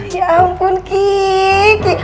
ya ampun gigi